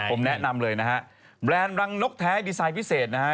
ผมแนะนำเลยนะฮะแบรนด์รังนกแท้ดีไซน์พิเศษนะฮะ